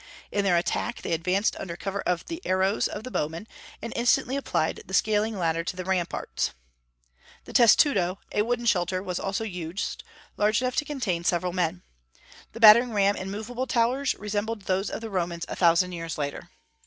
In their attack they advanced under cover of the arrows of the bowmen, and instantly applied the scaling ladder to the ramparts. The testudo, a wooden shelter, was also used, large enough to contain several men. The battering ram and movable towers resembled those of the Romans a thousand years later.